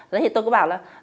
thì tôi cứ bảo là